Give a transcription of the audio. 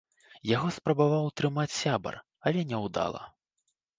Яго спрабаваў утрымаць сябар, але няўдала.